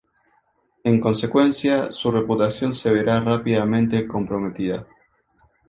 En consecuencia, su reputación se verá rápidamente comprometida.